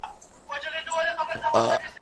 د لوږي مړ سه، د بل ډوډۍ ته مه گوره.